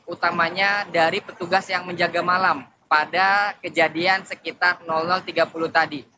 utamanya dari petugas yang menjaga malam pada kejadian sekitar tiga puluh tadi